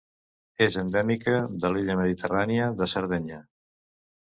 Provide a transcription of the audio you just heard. És endèmica de l'illa mediterrània de Sardenya.